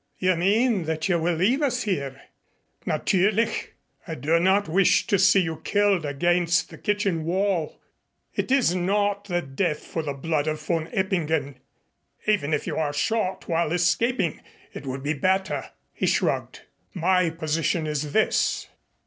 "You mean that you will leave us here?" "Natürlich. I do not wish to see you killed against the kitchen wall. It is not the death for the blood of von Eppingen. Even if you are shot while escaping it would be better." He shrugged. "My position is this.